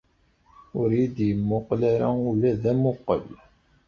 Ur iyi-d-yemmuqel ara ula d amuqel.